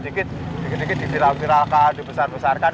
dikit dikit difiralkan dibesarkan